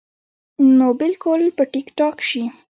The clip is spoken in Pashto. نو بالکل به ټيک ټاک شي -